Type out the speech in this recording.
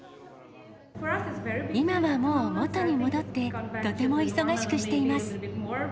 今はもう元に戻って、とても忙しくしています。